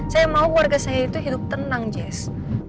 saya mau keluarga saya itu hidup tenang jess